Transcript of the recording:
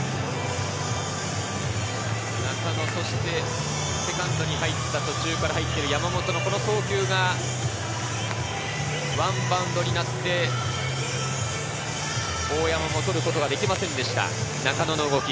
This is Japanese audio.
中野、セカンドに入った、途中から入った山本の送球がワンバウンドになって大山も捕ることができませんでした、中野の動き。